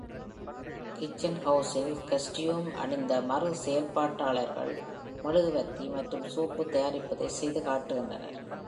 Kitchen ஹவுஸில், costume அணிந்த மறு செயல்பாட்டாளர்கள் மெழுகுவர்த்தி மற்றும் சோப்பு தயாரிப்பதை செய்து காட்டுகின்றனர்.